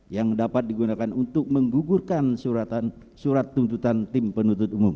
yang dapat digunakan untuk menggugurkan surat tuntutan tim penuntut umum